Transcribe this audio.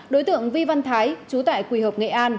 đối tượng vi văn thái trú tại quỳ hợp nghệ an